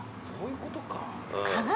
そういうことか。